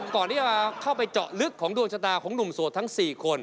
ก่อนที่จะเข้าไปเจาะลึกของดวงชะตาของหนุ่มโสดทั้ง๔คน